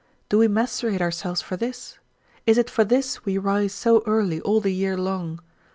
do we macerate ourselves for this? Is it for this we rise so early all the year long?